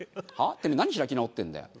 てめえ何開き直ってんだよ。